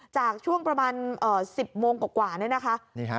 ช่วงประมาณ๑๐โมงกว่านี่นะคะ